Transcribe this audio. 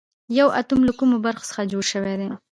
یو اتوم له کومو برخو څخه جوړ شوی دی